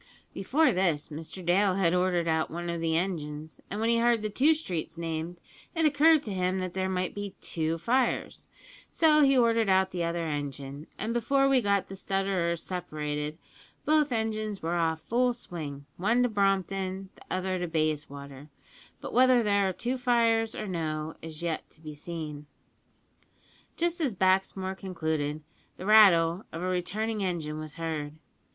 "Before this Mr Dale had ordered out one o' the engines, an' when he heard the two streets named it occurred to him that there might be two fires, so he ordered out the other engine; and before we got the stutterers separated both engines were off full swing, one to Brompton, the other to Bayswater; but whether there are two fires or no is yet to be seen." Just as Baxmore concluded, the rattle of a returning engine was heard.